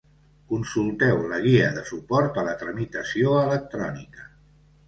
Consulteu la Guia de suport a la tramitació electrònica.